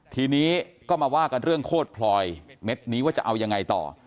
ทีนี้ก็มาว่ากันเรื่องโคตรพลอยเม็ดนี้ว่าจะเอายังไงต่อ